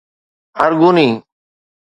ارگوني